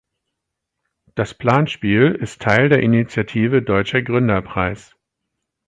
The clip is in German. Das Planspiel ist Teil der Initiative Deutscher Gründerpreis.